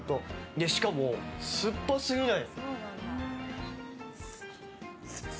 で、しかも酸っぱすぎない。